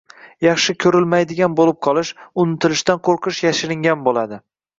yaxshi ko‘rilmaydigan bo‘lib qolish, unutilishdan qo‘rqish yashiringan bo‘ladi.